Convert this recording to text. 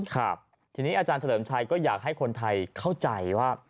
ครับทีนี้อาจารย์เฉลิมชัยก็อยากให้คนไทยเข้าใจว่า